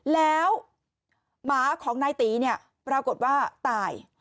แล้วหมาของนายตีเนี่ยปรากฏว่าตาย